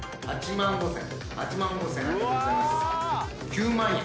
９万円。